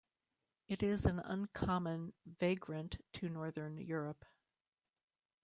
It is an uncommon vagrant to northern Europe.